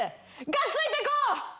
がっついて行こう！